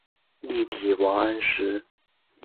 力抵王安石。